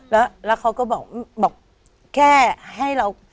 แล้วเขาก็บอกแค่ให้เรา